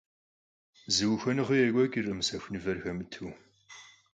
Зы ухуэныгъи екӀуэкӀыркъым сэху мывэр хэмыту.